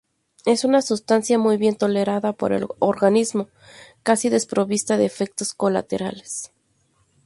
Es una sustancia muy bien tolerada por el organismo, casi desprovista de efectos colaterales.